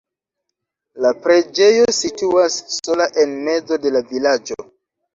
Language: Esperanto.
La preĝejo situas sola en mezo de la vilaĝo.